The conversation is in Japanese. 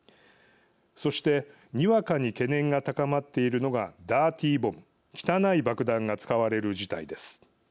そして、にわかに懸念が高まっているのがダーティーボム＝汚い爆弾が使われる事態です。